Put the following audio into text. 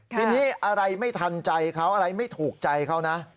ทีนี้อะไรไม่ทันใจเขาอะไรไม่ถูกใจเขานะ